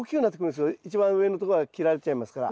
一番上のところが切られちゃいますから。